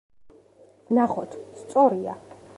ვნახოთ. სწორია.